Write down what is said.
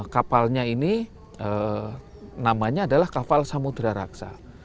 kapalnya ini namanya adalah kapal samudera raksa